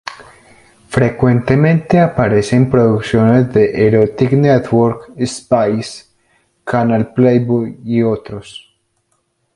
Frecuentemente aparece en producciones de "The Erotic Network", Spice, Canal Playboy y otros.